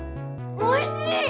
おいしい。